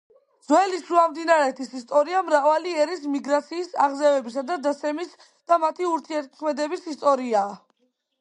ძველი შუამდინარეთის ისტორია მრავალი ერის მიგრაციის, აღზევებისა და დაცემის და მათი ურთიერთქმედების ისტორიაა.